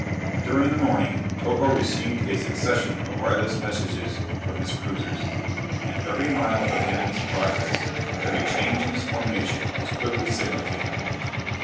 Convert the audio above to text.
During the morning Togo received a succession of wireless messages from his cruisers, and every mile of the enemy's progress, every change in his formation was quickly signalled to him.